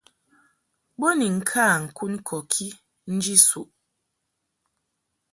Bo ni ŋka ŋkun kɔki nji suʼ.